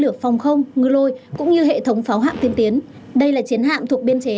lửa phòng không ngư lôi cũng như hệ thống pháo hạng tiên tiến đây là chiến hạng thuộc biên chế